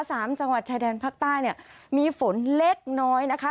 สามจังหวัดชายแดนภาคใต้เนี่ยมีฝนเล็กน้อยนะคะ